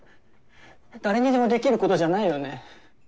誰にでもできることじゃないよね？